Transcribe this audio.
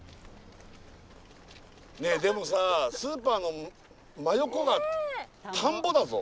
ねえでもさスーパーの真横が田んぼだぞ。